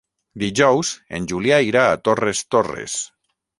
Dijous en Julià irà a Torres Torres.